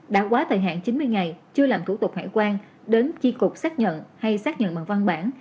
đã quá thời hạn chín mươi ngày chưa làm thủ tục hải quan đến chi cục xác nhận hay xác nhận bằng văn bản